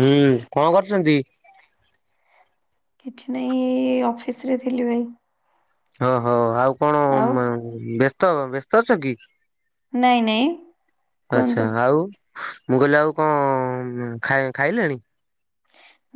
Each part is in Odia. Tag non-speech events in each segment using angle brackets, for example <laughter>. ହୁଁ କଣ କରୁଛନ୍ତି? କିଛି ନାହିଁ ଏଇ ଅଫିସରେ ଥିଲି ଭାଇ। ଓହୋ ଆଉ କଣ ଆଉ ବ୍ୟସ୍ତ ବ୍ୟସ୍ତ ଅଛ କି? ନାଇଁ ନାଇଁ କୁହନ୍ତୁ ଆଛା ଆଉ ମୁଁ କହିଲି ଆଉ କଣ ଖାଇ ଖାଇଲେଣି?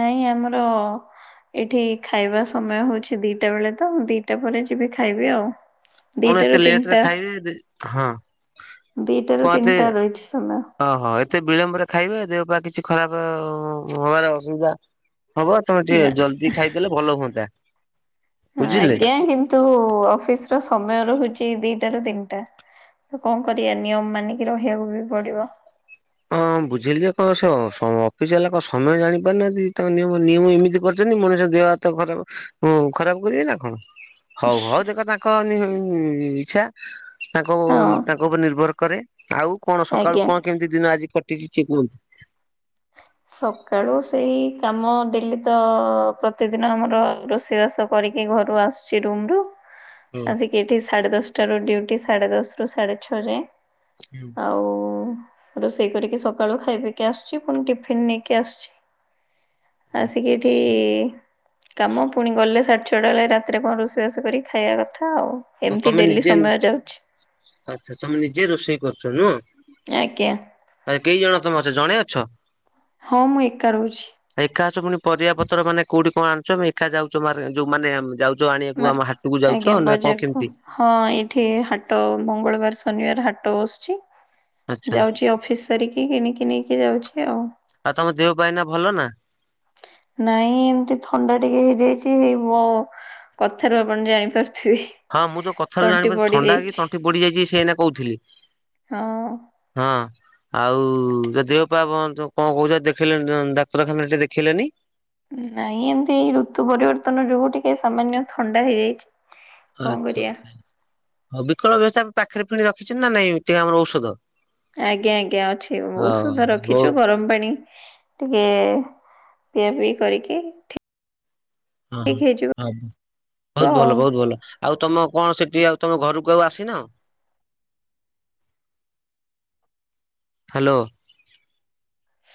ନାଇଁ ଆମର ଏଇଠି ଖାଇବା ସମୟ ହୋଉଛି ଦିଇଟା ବେଳେ ତ ମୁଁ ଦିଇଟା ପରେ ଯିବି ଖାଇବି ଆଉ। କଣ ଦିଟା ରୁ ଏତେ ତିନ ଲେଟ ରେ ଟା, ଖାଇବେ ହଁ ଦିଟାରୁ କଣ ତିନ ଏତେ ଟା ରହିଛି ସମୟ। ଓହୋ ଏତେ ବିଳମ୍ବରେ ଖାଇବେ ଦେହ ପା କିଛି ଖରାପ ହବାର ଅସୁବିଧା ହବ। ତମେ ନା। ଟିକେ ଜଲଦି ଖାଇଦେଲେ ଭଲ ହୁଅନ୍ତା। ବୁଝିଲେ ଆଜ୍ଞା, କିନ୍ତୁ ଅଫିସ୍ ର ସମୟ ରହୁଛି ଦିଟା ରୁ ତିନିଟା। ତ କଣ କରିବା ନିୟମ ମାନିକି ରହିବାକୁ ବି ପଡିବ। ହଁ ବୁଝିଲି ଯେ କଳାସ, ସ- ଅଫିସ୍ ବାଲା କଣ ସମୟ ଜାଣି ପାରୁନାହାନ୍ତି। ତାଙ୍କ ନିୟମ ନିୟମ ଏମିତି କର ଛନ୍ତି ମଣିଷ ଦେହ ହାତ ଖରାପଁ ଖରାପ କରିବେ ନା କଣ। ହଉ ହଉ ଦେଖ ତାଙ୍କ ନି ଇଚ୍ଛା। ତାଙ୍କୁ ହଁ ତାଙ୍କ ଉପରେ ନିର୍ଭର କରେ, ଆଉ କଣ ସକାଳୁ କଣ ଆଜ୍ଞା। କେମିତି ଦିନ ଆଜି କଟିଛି ଠିକ୍ କୁହନ୍ତୁ। ସକାଳୁ ସେଇ କାମ ଡେଲି ତ ପ୍ରତିଦିନ ଆମର ରୋଷେଇବାସ କରିକି ଘରୁ ଆସ ରମ ରୁ ହୁଁ। ଆସିକି ଏଇଠି ସାଢେ ଦଶଟା ରୂ ଡୁଟି ସାଢେ ଦଶ ରୁ ସାଢେ ଛଅ ଯାଏଁ। ଆଉ ରୋଷେଇ କରିକି ସକାଳୁ ଖାଇ ପକି ଆସ ଛି ପୁଣି ଟିଫିିନ ନେଇକି ଆସୁଛି ଆସିକି ଏଠି କାମ ପୁଣି ଗଲେ ସାଡେ ଛଅଟା ବେଳେ ରାତିରେ କଣ ରୋଷେଇବାସ କରି ଖାଇବା କଥା ଆଉ। ହ ଏମିତି ତମେ ଡେଲି ନିଜେ ସମୟ ଯାଉଛି ଆଚ୍ଛା ତମେ ନିଜେ ରୋଷେଇ କରୁଛ ନୁହ? ଆଜ୍ଞା ଆ କେଇ ଜଣ ତମେ ଅଛ ଜଣେ ଅଛ? ହଁ, ମୁଁ ଏକା ରହୁଛି। ଏକା ଅଛ ପୁଣି ପରିବାପତ୍ର ମାନେ କୋଉଠି କଣ ଆଣୁଛ? ମେ ଏକା ଯାଉଛ ମାରେ ଯୋଉମାନେ ଉଁ, ଯାଉ ଆଣିବାକୁ ମାର ଆମ ହାଟକୁ ଆଜ୍ଞା ଯାଉଛ ନା? କଣ ବଜାରକୁ କେମିତି ହଁ ଏଇଠି ହାଟ ମଙ୍ଗଳବାର, ଶନିବାର ହାଟ ବସୁଛି। ଆଚ୍ଛା ଯାଉଛି ଅଫିସ୍ ସାରିକି କିଣିକି ନେଇକି ଯାଉଛି ଆଉ। ଆଉ ତମ ଦେହ ପା ଏଇନା ଭଲ ନା? ନାଇଁ ଏମିତି ଥଣ୍ଡା ଟିକେ ହେଇଯାଇଛି ହେଇ ମୁଁ କଥାରୁ ଆପଣ ଜାଣିପାରୁଥିବେ। ହଁ ମୁଁତ କଥାରୁ ତଣ୍ଟି ଜାଣି ପାରୁଛି ପଡି ଥଣ୍ଡା କି ଯାଇଛି ତଣ୍ଟି ପଡିଯାଇଛି ସିଏ ଏଇନା କହୁଥିଲେ। ହଁ। ହଁ ଆଉ ଯଦି କଣ କହୁଛ ଦେଖ ଡା-ଡାକ୍ତରଖାନାରେ ଟିକେ ଦେଖେଇଲେନି। ନାଇଁ ଏମିତି ଏଇ ଋତୁ ପରିବର୍ତ୍ତନ ଯୁଗୁ ଟିକେ ସାମାନ୍ୟ ଥଣ୍ଡା ହେଇଯାଇଚି। ଆଚ୍ଛା ଆଚ୍ଛା ହଉ ବିକଳ ବ୍ୟବସ୍ଥା ପାଖରେ ଫେଣି ରଖିଛନ୍ତି ନା ନାଇଁ ଟିକେ ଆମର ଔଷଧ। ଆଜ୍ଞା ଆଜ୍ଞା ଅଛି। ହଉ ଔଷଧ ବହୁ ରଖିଚୁ ଗରମ ପାଣି ଟିକେ ପିଆ ପିଇ କରିକି ହଁ ଠିକ ହେଇଯିବ ହଁ। ବହୁତ୍ ଆଉ ଭଲ ବହୁତ୍ ଭଲ। ଆଉ ତମ କଣ ସେଠି ଆଉ ତମ ଘରକୁ ଆଉ ଆସିନ? ହାଲୋ।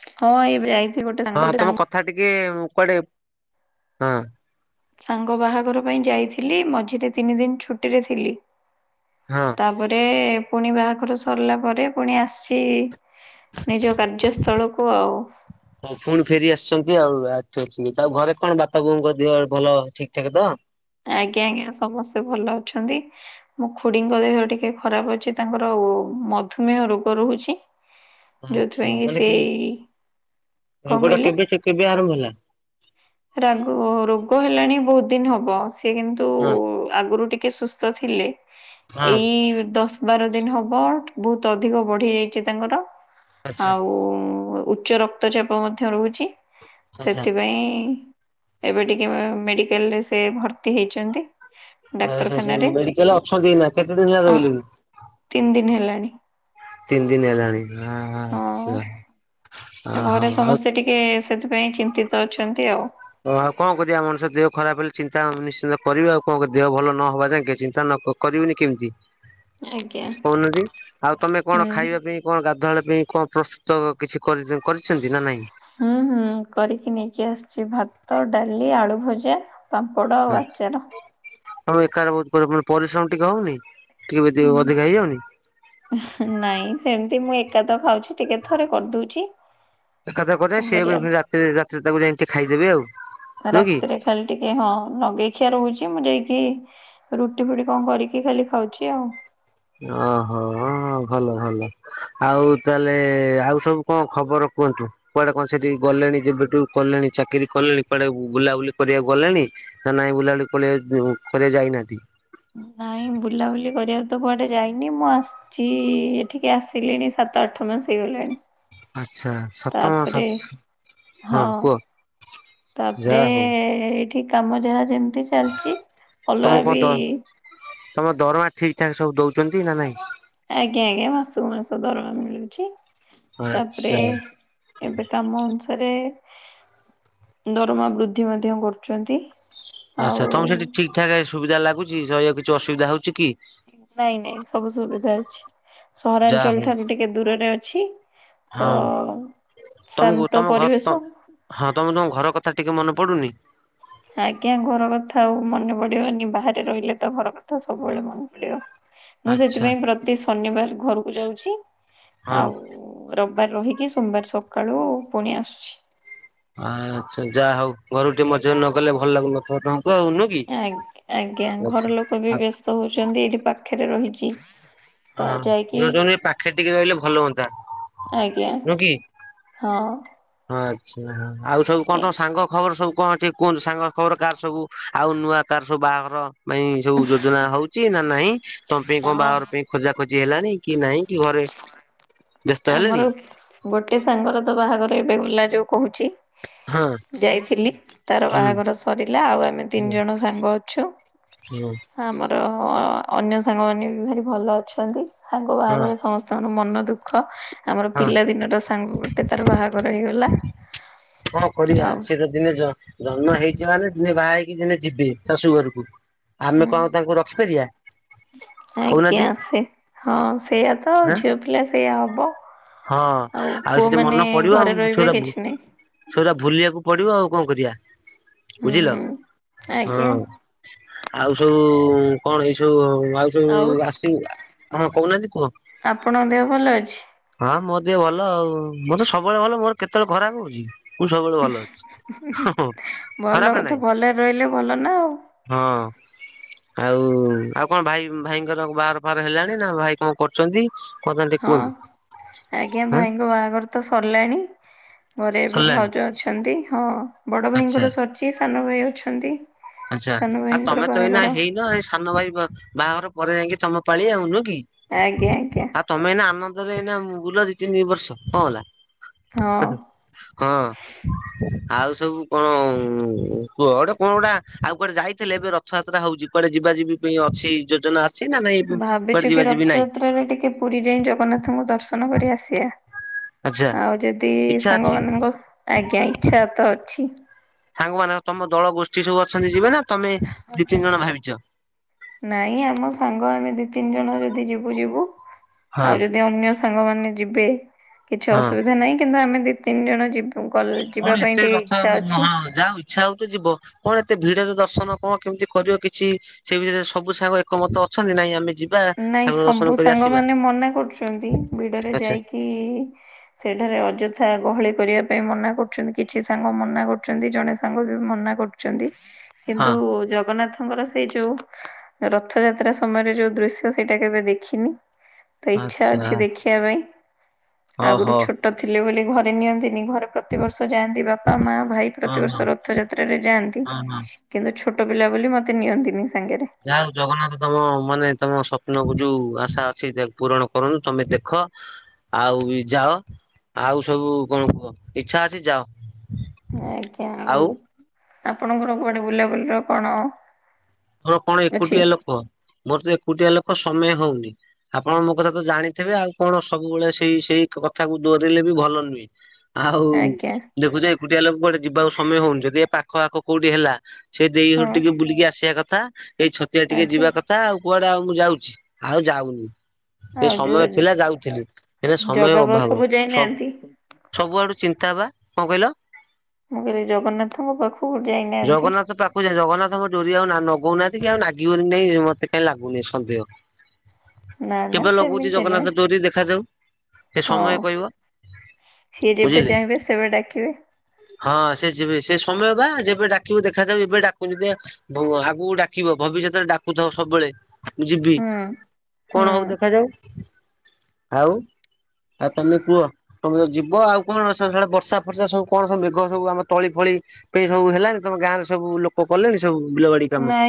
ହଁ। <unintelligible> ହଁ ଗୋଟେ ତମ କଥା ଟିକେ କୁଆଡେ ହଁ। ସାଙ୍ଗ ବାହାଘର ପାଇଁ ଯାଇଥିଲି, ମଝିରେ ତିନି ଦିନ ଛୁଟି ରେ ଥିଲି। ହଁ। ତାପରେ ପୁଣି ବାହାଘର ସରିଲା ପରେ ପୁଣି ଆସିଚି ନିଜ କାର୍ଯ୍ୟସ୍ଥଳକୁ ଆଉ। ହଁ ପୁଣି ଫେରି ଆସିଛନ୍ତି ଆଉ। <unintelligible> ଆଉ ଘରେ କଣ ବାପା ବୋଉଙ୍କ ଦେହ ଭଲ ଠିକ୍ ଠାକ୍ ତ? ଆଜ୍ଞା ଆଜ୍ଞା। ସମସ୍ତେ ଭଲ ଅଛନ୍ତି। ମୋ ଖୁଡ଼ିଙ୍କ ଦେହ ଟିକେ ଖରାପ ଅଛି। ତାଙ୍କର ଓ ମଧୁମେହ ରୋଗ ରହୁଚି। ଆଚ୍ଛା। ମାନେ କି କଣ ରୋଗ ଟା କହିଲେ? କେବେ କେବେ ଆରମ୍ଭ ହେଲା? ରାଗ ରୋଗ ହେଲାଣି ବହୁତ ଦିନ ହବ। ସିଏ କିନ୍ତୁ ହଁ ଆଗରୁ ଟିକେ ସୁସ୍ଥ ଥିଲେ। ହଁ ଏଇ ଦଶ ବାର ଦିନ ହବ ବହୁତ ଅଧିକ ବଢି ଯାଇଚି ତାଙ୍କର। ଆଚ୍ଛା ଆଉ ଉଚ୍ଚ ରକ୍ତଚାପ ମଧ୍ୟ ରହୁଚି। ଆଚ୍ଛା। ସେଥିପାଇଁ ଏବେ ଟିକେ ମେଡିକାଲରେ ସେ ଭର୍ ର୍ତ୍ତି ହେଇଛନ୍ତି। ଡାକ୍ତରଖାନାରେ <unintelligible> ମେଡିକାଲ ଅଛନ୍ତି ଏଇନା, କେତେ ଦିନ ହେଲା ଅ ରହିଲେଣି? ତିନି ଦିନ ହେଲାଣି ତିନି ଦିନ ହେଲାଣି ଆଚ୍ଛା। ତ ଓହୋ ଘରେ ଆଉ ସମସ୍ତେ ଟିକେ ସେଥିପାଇଁ ଚିନ୍ତିତ ଅଛନ୍ତି ଆଉ। ଆଉ କଣ କରିବା ମଣିଷ ଦେହ ଖରାପ ହେଲେ ଚିନ୍ତା ନିଶ୍ଚିନ୍ତି କରିବେ ଆଉ କଣ ଦେହ ଭଲ ନହବା ଯାଙ୍କେ ଚିନ୍ତା ନ କରିବେନି କେମିତି। ଆଜ୍ଞା। କହୁନାହାନ୍ତି, ଆଉ ତମେ କଣ ହୁଁ ଖାଇବା ପାଇଁ କଣ ଗାଧୁଆବେଳ ପାଇଁ କଁ ପ୍ରସ୍ତୁତ କିଛି କରି କରିଛନ୍ତି ନା ନାହିଁ? ହୁଁ ହୁଁ। କରିକି ନେଇକି ଆସିଚି। ଭାତ, ଡାଲି, ଆଳୁ ଭଜା ପାମ୍ପଡ଼ ଆଉ ଆଚାର। ତମେ ଏକାହେଲେ ବହୁତ୍ ପରିଶ୍ରମ ଟିକେ ହଉନି? ଟିକେ <unintelligible> ଅଧିକା ହେଇଯାଉନି? ନାଇଁ ସେମତି ମୁଁ ଏକା ତ ଖାଉଚି, ଟିକେ ଥରେ କରିଦଉଚି। ଏକାଥରେ କରିବା ସେୟାକୁ ଫେରେ ରାତିରେ ରାତିରେ ରାତିରେ ତାକୁ ଯାଇଁକି ଖାଇଦେବେ ଆଉ। ନୁହଁ କି ରାତିରେ ଖାଲି ଟିକେ ହଁ ନଗେଇଖିଆ ରହୁଚ଼ି ମୁଁ ଯାଇକି ରୁଟି ଫୁଟି କଣ କରିକି ଖାଲି ଖାଉଚି ଆଉ। ଅହୋ ଭଲ ଭଲ। ଆଉ ତାହେଲେ ଆଉ ସବୁ କଣ ଖବର କୁହନ୍ତୁ? କୁଆଡେ କଣ ସେଠି ଗଲେଣି ଯେବେଠୁ କଲେଣି ଚାକିରି କଲେଣି କୁଆଡେ ବୁଲାବୁଲି କରିବାକୁ ଗଲେଣି? ନା ନାଇଁ ବୁଲାବୁଲି କରିବାକୁ ଯାଇନାହାନ୍ତି? ନାଇଁ ବୁଲାବୁଲି କରିବାକୁ ତ କୁଆଡେ ଯାଇନି। ମୁଁ ଆସ୍ ଚି ଏଠିକି ଆସିଲିଣି ସାତ, ଆଠ ମାସ ହେଇଗଲାଣି। ଆଚ୍ଛା ସାତ ମାସ ତାପରେ ଆସ ହଁ କୁହ। ତାପରେ ଯାହା ହଉ ଏଇଠି କାମ ଯାହା ଯେମିତି ଚାଲଚି। ତମକୁ କଁ ଦ ତମ ଦରମା ଠିକ୍ ଠାକ୍ ସବୁ ଦଉଚ଼ନ୍ତି ନା ନାଇଁ? ଆଜ୍ଞା ଆଜ୍ଞା ମାସୁ କୁ ମାସ ଦରମା ମିଳୁଛି ତାପରେ ଆଚ୍ଛା ଏବେ କମ ଅନୁସାରେ ଦରମା ବୃଦ୍ଧି ମଧ୍ୟ କରୁଚନ୍ତି। ହଁ ସେଠାରେ ସେଠି ଠିକ୍ ଠାକ୍ ସୁବିଧା ଲାଗୁଚ଼ି ରହିବାକୁ କିଛି ଅସୁବିଧା ହେଉଚ଼ି କି? ନାଇଁ ନାଇଁ ସବୁ ସୁବିଧା ଅଛି ଯାହା ହଉ ସହରାଞ୍ଚଳ ଠାରୁ ଟିକେ ଦୂରରେ ଅଛି। ତ ହଁ ତମକୁ ଶାନ୍ତ ତମ ଘ ପରିବେଶ। ରତ ହଁ ତମକୁ ତମ ଘର କଥା ଟିକେ ମନେ ପଡୁନି? ଆଜ୍ଞା ଘର କଥା ଆଉ ମନେ ପଡିବନି ବାହାରେ ରହିଲେ ତ ଘର କଥା ସବୁଏଳେ ମନେ ପଡିବ। ମୁଁ ଆଚ୍ଛା ସେଥିପାଇଁ ପ୍ରତି ଶନିବାର ଘରକୁ ଯାଉଛି ହଁ ଆଉ ରବାର ରହିକି ସୋବାର ସକାଳୁ ପୁଣି ଆସୁଚି। ଆଚ୍ଛା ଯା ହଉ ଘରୁ ଟିକେ ମଜି ନ ଗଲେ ଭଲ ଲାଗୁନଥିବ ତମକୁ ଆଉ ନୁହେଁ। ଆଗ୍ ଆଜ୍ଞା ଘର ଲୋକ ବି ବ୍ୟସ୍ତ ହଉଚ଼ନ୍ତି ଏଇଠି ପାଖରେ ରହିଚି। ହଁ ମୋ ଯୋଜନା ଏଇ ପାଖେରେ ଟିକେ ରହିଲେ ଭଲ ହୁଅନ୍ତା ଆଜ୍ଞା ନୁହ କି? ହଁ। ଆଚ୍ଛା ଆଉ ସବୁ କଁ ଏ ତମ ସାଙ୍ଗ ଖବର ସବୁ କଁ ଟିକେ କୁହନ୍ତୁ ସାଙ୍ଗ ଖବର କାର ସବୁ ଆଉ ନୂଆ କାର ସବୁ ବାହାଘର? ନାଇଁ ସବୁ ଯୋଜନା ହଉଚି ନା ନାହିଁ ତମ ପାଇଁ କଁ ହଁ ବାହାଘର ପାଇଁ ଖୋଜା ଖୋଜି ହେଲାଣି କି ନାଇଁ କି ଘରେ ବ୍ୟସ୍ତ ହେଲେଣି ଆମର ଗୋଟେ ସାଙ୍ଗର ତ ବାହାଘର ଏବେ ଗଲା ଯୋଉ କହୁଚ଼ି। ହଁ ଯାଇଥିଲି ତାର ହୁଁ। ବାହାଘର ସରିଲା ଆଉ ଆମେ ତିନି ଜଣ ସାଙ୍ଗ ଅଛୁ। ହଁ। ଆମର ଅନ୍ୟ ସାଙ୍ଗମାନେ ବି ଭାରି ଭଲ ଅଛନ୍ତି ସାଙ୍ଗ ବାହାଘର ହଁ ରେ ସମସ୍ ତେଣୁ ମନ ଦୁଃଖ ଆମର ହଁ ପିଲାଦିନର ସାଙ୍ଗ ଗୋଟେ ତାର ବାହାଘର ହେଇଗଲା। କଁଣ କରିବା ଆଉ ସିଏ ତ ଦିନେ ଜ ଜନ୍ମ ହେଇଚି ମାନେ ଦିନେ ବାହା ହେଇକି ଦିନେ ଯିବେ ଶାଶୁ ଘରୁକୁ। ଆମେ ହୁଁ। କଣ ତାଙ୍କୁ ରଖିପାରିବା? ଆଜ୍ଞା କହୁନାହାନ୍ତି ସେ ହଁ ସେୟା ତ ଆଁ ଝିଅ ପିଲା ସେୟା ହବ। ହଁ ଆଉ ପୁଅ ମାନେ ଘରେ ରହିବେ କିଛି ନାଇଁ। ସେଉରା ଭୁଲିଆକୁ ପଡିବ ଆଉ କଁ କରିବା ବୁଝିଲ ହୁଁ। ହଁ। ଆଜ୍ଞା ଆଉ ସବୁ କଣ ଏଇ ସବୁ ଆଉ ସବୁ ଆସିବ? ଆଉ କଣ ଆଜି କ ଆପଣଙ୍କ ଦେହ ଭଲ ଅଛି? ହଁ ମୋ ଦେହ ଭଲ ଆଉ ମୋର ତ ସବୁବେଳେ ଭଲ ମୋର କେତେଏଳେ ଖରାପ ହଉଚ଼ି। ମୁ ସବୁବେଳେ ଭଲ ଅଛି ହଁ ହଁ ଭଲ ଖରାପ କଥା ନାହିଁ। ଭଲରେ ରହିଲେ ଭଲ ନା ଆଉ ହଁ। ଆଉ ଆଉ କଣ ଭାଇ ଭାଇଙ୍କର ବାହାଘର ଫାହାଘର ହେଲାଣି ନା ଭାଇ କଣ କରୁଚ଼ନ୍ତି? ହଁ ଆଜ୍ଞା ଭାଇଙ୍କ ବାହାଘର ତ ସରିଲାଣି ଘରେ ଏବେ ସରିଲାଣି ଭାଉଜ ଅଛନ୍ତି ହଁ ବଡ ଆଚ୍ଛା ଭାଇଙ୍କର ସର ସିଏ ସାନ ଭାଇ ଅଛନ୍ତି। ଆଚ୍ଛା ସାନ ଆଉ ଭାଇଙ୍କର ତମେ ତ ଏଇନା ବାହାଘର ହେଇନ ଏଇ ସାନ ଭାଇ ବା ବାହାଘର ପରେ ଯାଇକି ତମ ତଳି ଆାଉ ନୁହକି? ଆଜ୍ଞା ଆଜ୍ଞା। ତମେ ଏଇନା ଆନନ୍ଦରେ ଏଇନା ବୁଲ ଦି ତିନି ବର୍ଷ କଣ ହଁ। ହେଲା। ହଁ ଆଉ ସବୁ କଣ କୁହ ଗୋଟେ କଣ ଗୋଟା? ଆଉ କୁଆଡେ ଯାଇଥିଲେ ଏବେ ରଥଯାତ୍ରା ହଉଛି କୁଆଡେ ଯିବା ଯିବି ପାଇଁ ଅଛି ଯୋଜନା? ଅଛି ନା ନାଇଁ କୁଆଡେ ଭାବିଛୁ କି ଯିବା ଯିବି ନାହିଁ ରଥଯାତ୍ରାରେ ଟିକେ ପୁରୀ ଯାଇ ଜଗନ୍ନାଥଙ୍କୁ ଦର୍ଶନ କରି ଆସିବା। ଆଚ୍ଛା ଆଉ ଯେଦି ଇଚ୍ଛା ଅଛି ସମୟ ମିଳେ ଆଜ୍ଞା ଇଚ୍ଛାତ ଅଛି। ସାଙ୍ଗମାନଙ୍କ ତମ ଦଳ ଗୋଷ୍ଠୀ ସବୁ ଅଛନ୍ତି ଯିବେ ନା ତମେ ଦି ତିନି ଜଣ ଭାରିଚ? ନାଇଁ ଆମ ସାଙ୍ଗ ଆମେ ଦି ତିନି ଜଣ ଯଦି ଯିବୁ ଯିବୁ ହଁ ଆଉ ଯଦି ଦି ଅନ୍ୟ ସାଙ୍ଗମାନେ ଯିବେ କିଛି ହଁ ଅସୁବିଧା ନାହିଁ କିନ୍ତୁ ଆମେ ଦି ତିନି ଜଣ ଯି କଲେଜ୍ ଯିବା ପାଇଁ ଟିକେ ଇଚ୍ଛା ଅଛି। ଯାହାଉ ଇଚ୍ଛା ହଉଛି ଯିବ କଣ ଏତେ ଭିଡରେ ଦର୍ଶନ କଣ କେମିତି କରିବ କିଛି ସେଇ ଭିତରେ ସବୁ ସାଙ୍ଗ ଏକମତ ଅଛନ୍ତି ନାଇଁ ଆମେ ଯି ବା ନାଇଁ ଠାକୁର ସବୁ ଦର୍ଶନ କରି ଆସିବା ସାଙ୍ଗମାନେ ମନା କରୁଛନ୍ତି ଭିଡରେ ଆଚ୍ଛା। ଯାଇକି ସେଠାରେ ଅଯଥା ଗହଳି କରିବା ପାଇଁ ମନା କରୁଛନ୍ତି କିଛି ସାଙ୍ଗ ମନା କରୁଛନ୍ତି ଜଣେ ସାଙ୍ଗ ବି ମନା କରୁ ଚନ୍ତି। କିନ୍ତୁ ହଁ ଜଗନ୍ନାଥଙ୍କର ସେଇ ଯୋଉ ରଥଯାତ୍ରା ସମୟରେ ଯୋଉ ଦୃ ତ ସେଇଟା କେବେ ଦେଖିନି ତ ଇଚ୍ଛା ଆଚ୍ଛା ଅଛି ଦେଖିବା ପାଇଁ ଆଗରୁ ଓହୋ। ଛୋ ଟ ଥିଲେ ବୋଲି ଘରେ ନିଅନ୍ତିନି ଘର ପ୍ରତିବର୍ଷ ଯାଆନ୍ତି ବାପା ମା ଭାଇ ହଁ ହଁ ପ୍ରତିବର୍ଷ ରଥ ଯାତ୍ରାରେ ଯାଆନ୍ତି। ହଁ ହଁ କିନ୍ତୁ ଛୋଟ ପିଲା ବୋଲି ମୋତେ ନିଅନ୍ତିନି ସାଙ୍ଗେରେ। ଯାହା ହଉ ଜଗନ୍ନାଥ ତମ ମାନେ ତମ ସ୍ୱପ୍ନକୁ ଯୋଉ ଆଶା ଅଛି ଦେ ପୂରଣ କରନ୍ତୁ ତମେ ଦେଖ। ଆଉ ଏ ଯାଅ ଆଉ ସବୁ କଣ କୁହ ଇଚ୍ଛା ଅଛି ଯାଅ। ଆଜ୍ଞା ଆଉ ଆପଣଙ୍କର କୁଆଡେ ବୁଲାବୁଲିର କଣ? ମୋର କଣ ଅଛି ଏକୁଟିଆ ଲୋକ ମୋର ତ ଏକୁଟିଆ ଲୋକ ସମୟ ହଉନି। ଆପଣ ମୋ କଥା ତ ଜାଣିଥିବେ ଆଉ କଣ ସବୁବେଳେ ସେଇ ସେଇ କଥାକୁ ଦୋରେଇଲେ ବି ଭଲ ନୁହେଁ। ଆଉ ଆଜ୍ଞା ଦେଖୁଛ ଏକୁଟିଆ ଲୋକ କୁଆଡେ ଯିବାକୁ ସମୟ ହଉନି ଯଦି ଏ ପାଖ ଆଖ କୋଉଠି ହେଲା ସେଇ ଦେଇ ହଁ ଘର ଟିକେ ବୁଲିକି ଆସିବା କଥା ଏଇ ଛତିଆ ଟିକେ ଆଚ୍ଛା ଯିବା କ ତା ଆଉ କୁଆଡେ ଆଉ ମୁଁ ଯାଉଛି ଆଉ ଯାଉନି। ଏ ଆଉ ସମୟ ଯୋଉ ଥିଲା ଯାଉଥିଲି ଏବେ ସମୟ ଜଗା ଅଭାବ ପାଖକୁ ସ ଯାଇନାହାନ୍ତି? ସବୁଆଡୁ ଚିନ୍ତା ବା କଣ କହିଲ? ମୁଁ କହିଲି ଜଗନ୍ନାଥଙ୍କ ପାଖ କୁ ଯାଇନ ଜଗନ୍ନାଥ ପା କୁ ଯା ଜଗନ୍ନାଥଙ୍କ ଡୋରି ଆଉ ନା ନଗଉ ନାହାଁନ୍ତି କି ଆଉ ନାଗିବ କି ନାଇଁ ମତେ କାଇଁ ଲାଗୁନି ସନ୍ଦେହ। ନା ନା କେବେ ଲଗଉଛି ସେମିତି ନୁହେଁ ଜଗନ୍ନାଥ ଡୋରୀ ଦେଖାଯାଉ ଏ ସମୟ ହଁ। କହିବ। ସିଏ ଯେବେ ବୁଝିଲେ ଚାହିଁବେ ସେବେ ଡାକିବେ। ହଁ ସେ ଯିବେ ସେ ସମୟ ବା ଯେ କେବେ ଡାକିବ ଦେଖାଯାଉ ଏବେ ଡାକୁଚନ୍ତି ବୁଅ ଆଗକୁ ଡାକିବ ଭବିଷ୍ୟତରେ ଡାକୁଥିବ ସବୁବେଳେ ଯିବି ହୁଁ କଣ ହଉ ହୁଁ। ଦେଖାଯାଉ ଆଉ? ଆଉ ତମେ କୁହ? ତମେ ତ ଯିବ ଆଉ କଣ ସେଆଡ଼େ ବର୍ଷା ଫର୍ଷା ସବୁ କଣ ସବ ମେଘ ସବୁଆମ ତଳି ଫଳି ସବୁ ହେଲା ତମ ଗାଁରେ ସବୁ ଲୋକ କଲେଣି ସବୁ ବିଲବାଡି କାମ?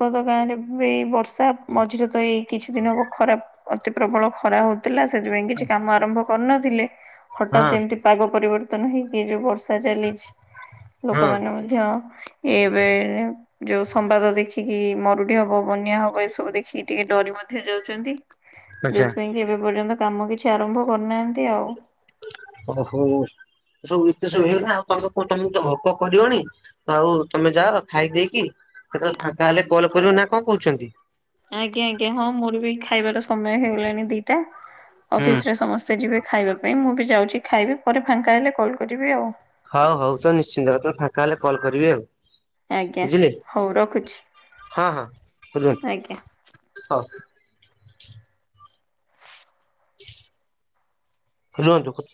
କତ ଗାଁରେ ଏଇ ବର୍ଷା ମଝିରେ ତ ଏଇ କିଛି ଦିନ ହବ ଖରା ଅତି ପ୍ରବଳ ଖରା ହଉ ଥିଲା ସେଥିପାଇଁ କିଛି କାମ ଆରମ୍ଭ କରୁନଥିଲେ ହଠାତ୍ ହଁ ଏମିତି ପାଗ ପରିବର୍ତ୍ତନ ହେଇକି ଯୋଉ ବର୍ଷା ଚାଲିଛି ଲୋକ ହଁ ମାନେ ଧ୍ୟ ଏବେ ଯୋଉ ସମ୍ବାଦ ଦେଖିକି ମରୁଡି ହବ, ବନ୍ୟା ହବ ଏସବୁ ଦେଖିକି ଟିକେ ଡରି ମଧ୍ୟ ଯାଉଚନ୍ତି। ଆଚ୍ଛା। ଯୋଉଥିପାଇଁ କି ଏବେ ପର୍ଯ୍ୟନ୍ତ କାମ କିଛି ଆରମ୍ଭ କରିନାହାଁନ୍ତି ଆଉ। ଓହୋ ସବୁ ଏତେ ସବୁ କଥା ଆଉ ତମ କୁ ତମକୁ ତ ଭୋକ କରିବଣି ହଉ ତମେ ଯାଅ ଖାଇକି ଦେଇକି କେତେବେଳେ ଫଙ୍କା ହେଲେ କଲ କରିବ ନା କଣ କହୁଚନ୍ତି? ଆଜ୍ଞା ଆଜ୍ଞା ହଁ ମୋର ବି ଖାଇବାର ସମୟ ହେଇଗଲାଣି ଦିଟା। ହୁଁ। ଅଫିସ ରେ ସମସ୍ତେ ଯିବେ ଖାଇବା ପାଇଁ ମୁଁ ବି ଯାଉଚି ଖାଇବି ପରେ ଫାଙ୍କା ହେଲେ କଲ୍ କରିବି ଆଉ। ହଉ ହଉ ତ ନିଶ୍ଚିନ୍ତ ତମେ ଫାଙ୍କା ହେଲେ କଲ୍ କରିବି ଆଉ। ଆଜ୍ଞା ବୁଝିଲେ ହଉ ରଖୁଛି ହଁ ହଁ ଆଜ୍ଞା। ବୁଝନ୍ତୁ ହଉ। ରୁହନ୍ତୁ।